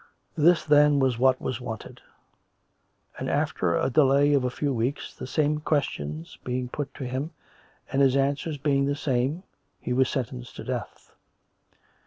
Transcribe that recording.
This, then, was what was wanted ; and after a delay of a few weeks, the same questions being put to him, and his answers being the same, he was sentenced to death.